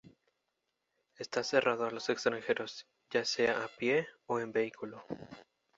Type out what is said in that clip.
Está cerrado a los extranjeros, ya sea a pie o en vehículo.